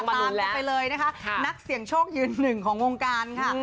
ตามกันไปเลยนะคะนักเสี่ยงโชคยืนหนึ่งของวงการค่ะ